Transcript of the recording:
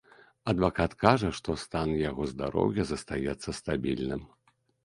Адвакат кажа, што стан яго здароўя застаецца стабільным.